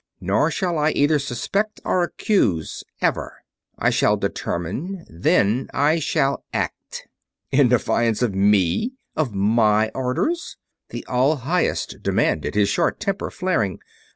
Nor shall I either suspect or accuse, ever. I shall determine, then I shall act." "In defiance of me? Of my orders?" the All Highest demanded, his short temper flaring.